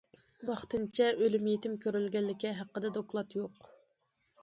ۋاقتىنچە ئۆلۈم- يېتىم كۆرۈلگەنلىكى ھەققىدە دوكلات يوق.